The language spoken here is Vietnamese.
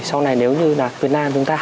sau này nếu như là việt nam chúng ta